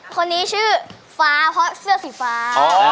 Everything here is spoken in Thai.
คนนี้ชื่อฟ้าเพราะเสื้อสีฟ้า